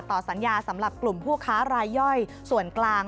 สัญญาสำหรับกลุ่มผู้ค้ารายย่อยส่วนกลาง